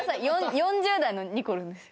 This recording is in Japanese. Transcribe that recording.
４０代のにこるんですよ